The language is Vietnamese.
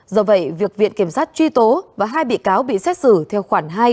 do vậy việc viện kiểm sát truy tố và hai bị cáo bị xét xử theo khoản hai